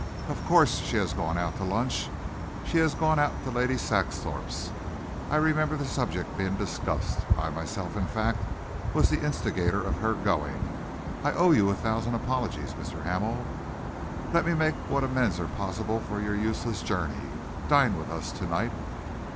Of course she has gone out to lunch. She has gone out to Lady Saxthorpe's. I remember the subject being discussed. I myself, in fact, was the instigator of her going. I owe you a thousand apologies, Mr. Hamel. Let me make what amends are possible for your useless journey. Dine with us to night."